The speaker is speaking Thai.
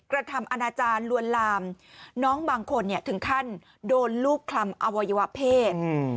กระทำอนาจารย์ลวนลามน้องบางคนถึงขั้นโดนลูกคลำอวัยวะเพศ